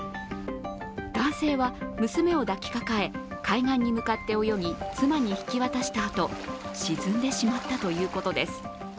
男性は、娘を抱きかかえ海岸に向かって泳ぎ妻に引き渡したあと沈んでしまったということです。